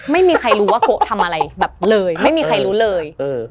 ไม่มีใครรู้ว่าโกะทำอะไรแบบเลยไม่มีใครรู้เลย